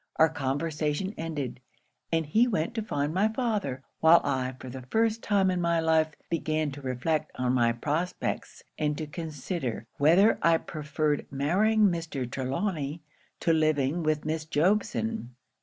Our conversation ended, and he went to find my father, while I, for the first time in my life, began to reflect on my prospects, and to consider whether I preferred marrying Mr. Trelawny to living with Miss Jobson.